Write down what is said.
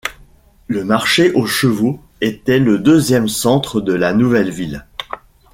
Le marché aux chevaux était le deuxième centre de la nouvelle ville.